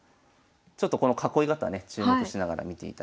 ちょっとこの囲い方ね注目しながら見ていただきたいですね。